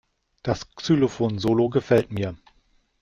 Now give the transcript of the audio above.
Das Xylophon-Solo gefällt mir.